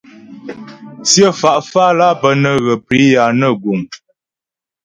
Tsyə fá fálà bə́ nə́ ghə priyà nə guŋ.